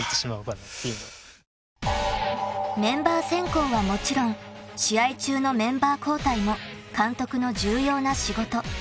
［メンバー選考はもちろん試合中のメンバー交代も監督の重要な仕事］